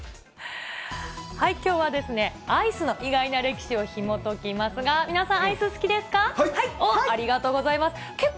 きょうはですね、アイスの意外な歴史をひもときますが、皆さん、アイス好きですか？